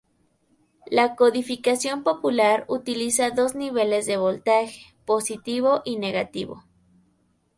La codificación polar utiliza dos niveles de voltaje, positivo y negativo.